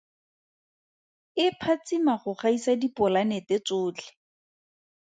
E phatsima go gaisa dipolanete tsotlhe.